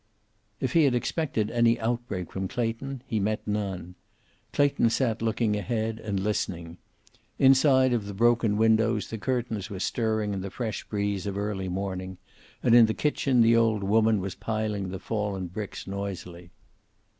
If he had expected any outbreak from Clayton, he met none. Clayton sat looking ahead, and listening. Inside of the broken windows the curtains were stirring in the fresh breeze of early morning, and in the kitchen the old woman was piling the fallen bricks noisily.